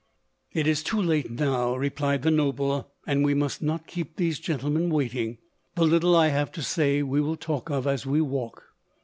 " It is too late now," replied the noble ;" and we must not keep these gentlemen waiting. The little I have to say we will talk of as we walk.